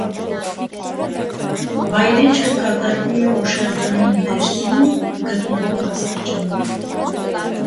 Վայրեջքը կատարվում է հուշարձանի ներսում գտնվող աստիճաններով։